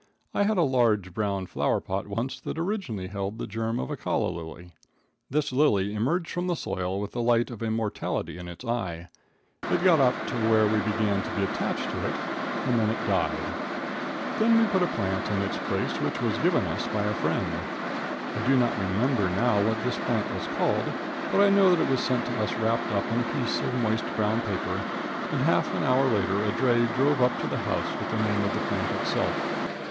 I had a large brown flower pot once that originally held the germ of a calla lily. This lily emerged from the soil with the light of immortality in its eye. It got up to where we began to be attached to it, and then it died. Then we put a plant in its place which was given us by a friend. I do not remember now what this plant was called, but I know it was sent to us wrapped up in a piece of moist brown paper, and half an hour later a dray drove up to the house with the name of the plant itself.